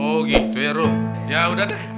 oh gitu ya ruh ya udah deh